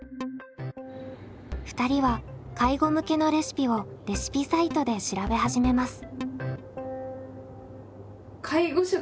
２人は介護向けのレシピをレシピサイトで調べ始めます。